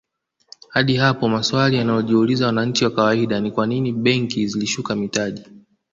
Hadi hapo swali analojiuliza mwananchi wa kawaida ni kwanini benki zilishuka mitaji